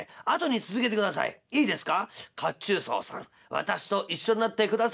私と一緒になって下さい』。